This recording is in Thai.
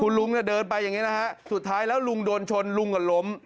ลุงเนี่ยเดินไปอย่างนี้นะฮะสุดท้ายแล้วลุงโดนชนลุงก็ล้ม